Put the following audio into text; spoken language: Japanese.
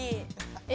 え？